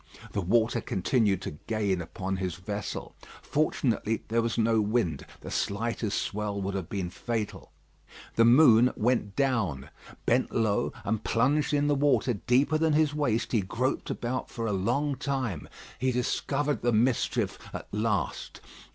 The water continued to gain upon his vessel. Fortunately there was no wind. The slightest swell would have been fatal. The moon went down. Bent low, and plunged in the water deeper than his waist he groped about for a long time. He discovered the mischief at last.